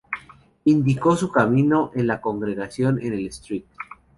Inició su camino en la congregación en el "St.